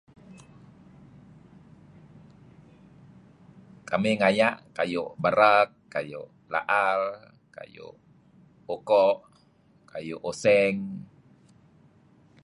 Kamih ngaya' kayu' berek, kayu' la'al, kayu' uko' kayu' useng.